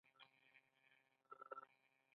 زه په احتیاط کښته کېږم.